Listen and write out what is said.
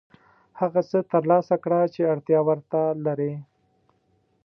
هغه څه ترلاسه کړه چې اړتیا ورته لرې.